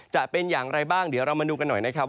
จะเป็นอย่างไรบ้างเดี๋ยวเรามาดูกันหน่อยนะครับ